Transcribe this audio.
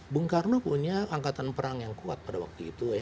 bung karno punya angkatan perang yang kuat pada waktu itu